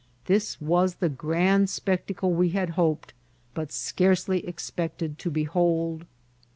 This was the grand spectacle we had hoped, but scarcely expect ed to behold.